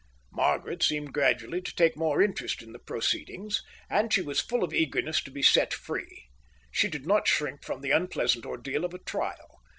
Margaret seemed gradually to take more interest in the proceedings, and she was full of eagerness to be set free. She did not shrink from the unpleasant ordeal of a trial.